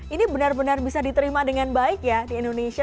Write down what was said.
ini benar benar bisa diterima dengan baik ya di indonesia